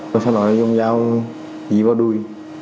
rồi xong lấy dùng dao dí vào đuôi